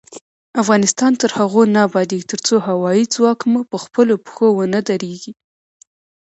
افغانستان تر هغو نه ابادیږي، ترڅو هوايي ځواک مو پخپلو پښو ونه دریږي.